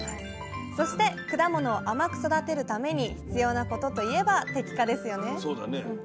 そして果物を甘く育てるために必要なことといえば摘果ですよね